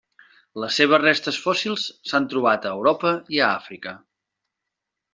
Les seves restes fòssils s'han trobat a Europa i Àfrica.